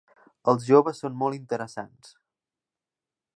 Els joves són molt interessants.